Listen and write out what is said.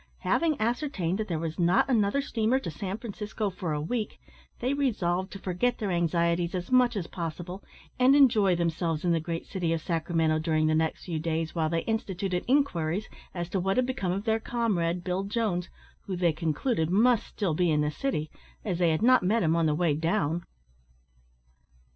Having ascertained that there was not another steamer to San Francisco for a week, they resolved to forget their anxieties as much as possible, and enjoy themselves in the great city of Sacramento during the next few days; while they instituted inquiries as to what had become of their comrade, Bill Jones, who, they concluded, must still be in the city, as they had not met him on the way down.